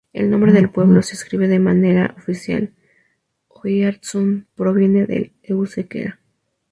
El nombre del pueblo se escribe de manera oficial "Oiartzun", proveniente del euskera.